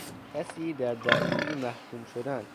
کسی در دعوی محکوم شدن